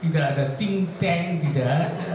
tidak ada ting teng tidak ada